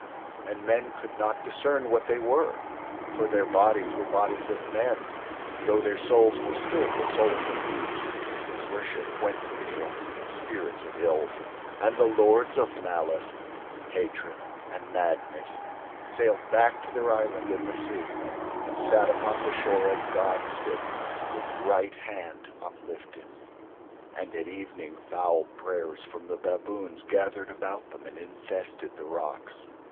And men could not discern what they were, for their bodies were bodies of men, though their souls were still the souls of beasts and their worship went to the Yozis, spirits of ill. And the lords of malice, hatred and madness sailed back to their island in the sea and sat upon the shore as gods sit, with right hand uplifted; and at evening foul prayers from the baboons gathered about them and infested the rocks.